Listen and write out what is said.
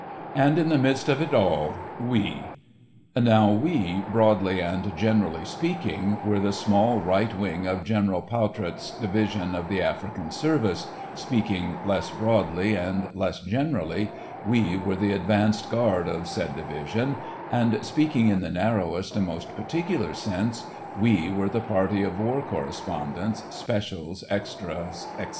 And in the midst of it all,—we. Now "we" broadly and generally speaking, were the small right wing of General Pawtrot's division of the African service; speaking less broadly and less generally, "we" were the advance guard of said division; and, speaking in the narrowest and most particular sense, "we" were the party of war correspondents, specials, extras, etc.